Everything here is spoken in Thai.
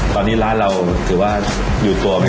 ตอนนี้ร้านเราถือว่าอยู่ตัวไหม